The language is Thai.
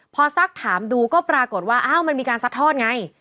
พอซักถามดูก็ปรากฏว่าอ้าวมันมีการซัดทอดไง